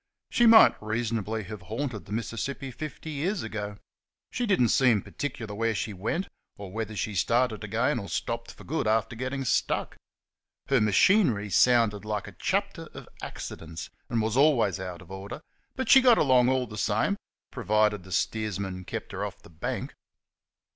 She might reasonably have haunted the Mississippi fifty years ago. She didn't seem particular where she went, or whether she started again or stopped for good after getting stuck. Her machinery sounded like a chapter of accidents and was always out of order, but she got along all the same, provided the steersman kept her off the bank.